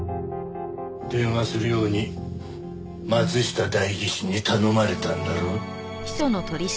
電話するように松下代議士に頼まれたんだろう？